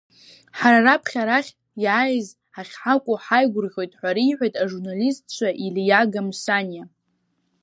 Ҳара раԥхьа арахь иааиз ахьҳакәу ҳаигәырӷьоит, ҳәа реиҳәеит ажурналитсцәа Илиа Гамсаниа.